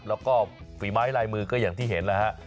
แล้วก็ฝีไม้ลายมือก็อย่างที่เห็นแล้วฮะ